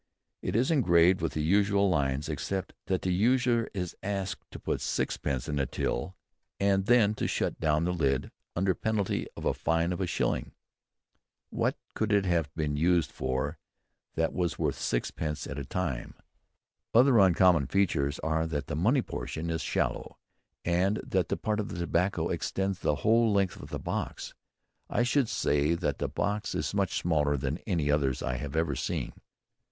It is engraved with the usual lines, except that the user is asked to put sixpence in the till, and then to shut down the lid under penalty of a fine of a shilling. What could it have been used for that was worth sixpence a time? Other uncommon features are that the money portion is shallow, and that the part for the tobacco extends the whole length of the box. I should say that the box is much smaller than any others I have ever seen."